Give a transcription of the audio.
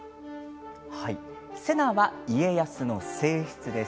瀬名は家康の正室です。